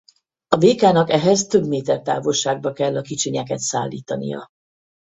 A békának ehhez több méter távolságba kell a kicsinyeket szállítania.